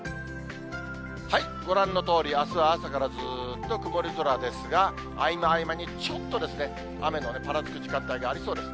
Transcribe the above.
ご覧のとおり、あすは朝からずっと曇り空ですが、合間合間にちょっと雨のぱらつく時間帯がありそうです。